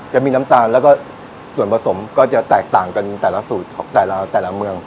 จะมีน้ำตาลแล้วก็ส่วนผสมก็จะแตกต่างกันแต่ละสูตรของแต่ละแต่ละเมือง